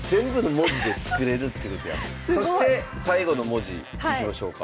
そして最後の文字いきましょうか。